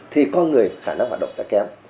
thì con người khả năng hoạt động sẽ kém